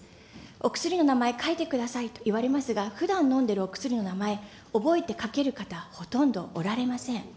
お薬の名前、書いてくださいと言われますが、ふだん飲んでるお薬の名前、覚えて書ける方、ほとんどおられません。